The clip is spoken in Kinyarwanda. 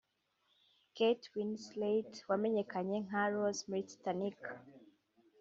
Kate Winslet wamenyekanye nka Rose muri Titanic